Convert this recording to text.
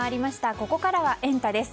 ここからはエンタ！です。